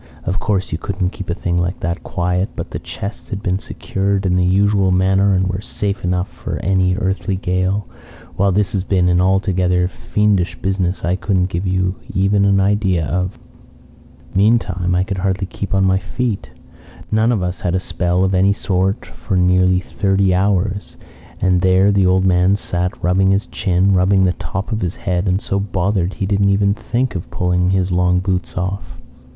Of course you couldn't keep a thing like that quiet; but the chests had been secured in the usual manner and were safe enough for any earthly gale, while this had been an altogether fiendish business I couldn't give you even an idea of. "Meantime, I could hardly keep on my feet. None of us had a spell of any sort for nearly thirty hours, and there the old man sat rubbing his chin, rubbing the top of his head, and so bothered he didn't even think of pulling his long boots off.